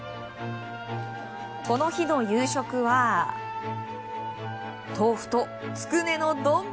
この日の夕食は豆腐とつくねの丼。